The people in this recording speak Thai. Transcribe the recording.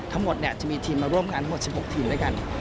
ทั้งหมดจะมีทีมมาร่วมกันทั้งหมด๑๖ทีมด้วยกัน